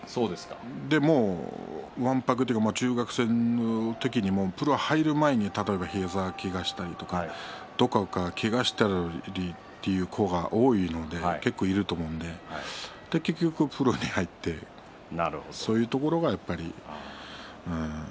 でも、わんぱくというか中学の時にプロに入る前に膝をけがしたりとかどこかをけがしたりという子が多いので、結構いると思うので結局プロに入ってそういうところがやっぱり。